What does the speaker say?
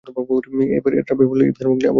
এর রাবী ফাজল ইবন মুখতার হলেন আবু সাহল বসরী।